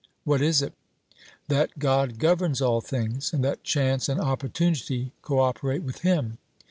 'What is it?' That God governs all things, and that chance and opportunity co operate with Him.